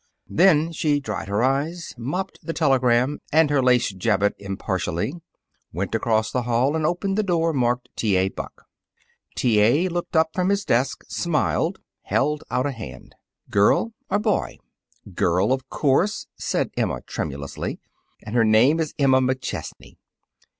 Then she dried her eyes, mopped the telegram and her lace jabot impartially, went across the hall and opened the door marked "T. A. BUCK." T. A. looked up from his desk, smiled, held out a hand. "Girl or boy?" "Girl, of course," said Emma tremulously, "and her name is Emma McChesney."